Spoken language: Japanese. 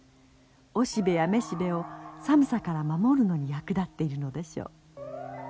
オシベやメシベを寒さから守るのに役立っているのでしょう。